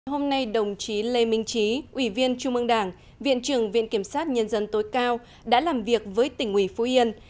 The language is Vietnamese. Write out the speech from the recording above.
hôm nay đồng chí lê minh trí ủy viên trung ương đảng viện trưởng viện kiểm sát nhân dân tối cao đã làm việc với tỉnh ủy phú yên